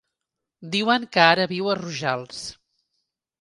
Diuen que ara viu a Rojals.